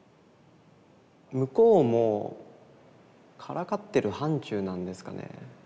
向こうもからかってる範ちゅうなんですかね。